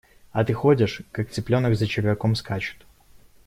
А ты ходишь, как цыпленок за червяком скачет.